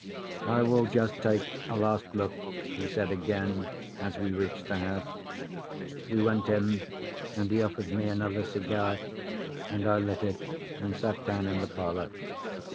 "I will just take a last look," he said again, as we reached the house. We went in, and he offered me another cigar, and I lit it and sat down in the parlour.